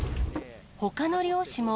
ほかの漁師も。